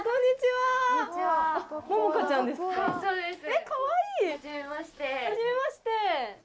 はじめまして。